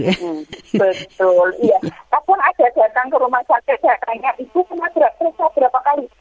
walaupun ada datang ke rumah sakit sakitnya itu pernah berapa kali